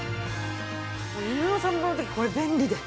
犬の散歩の時これ便利で。